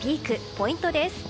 ポイントです。